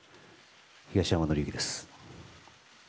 東山紀之です。